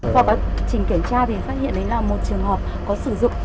trong bản trình kiểm tra thì phát hiện là một trường hợp có sử dụng